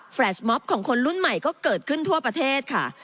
ชม็อปของคนรุ่นใหม่ก็เกิดขึ้นทั่วประเทศค่ะ